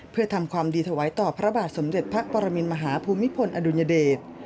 เพื่อทำความดีถวายต่อพระบาทสมเด็จพระปรมินมหาภูมิพลอดุญเดช